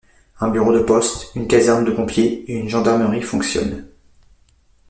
Un bureau de poste, une caserne de pompiers et une gendarmerie fonctionnent.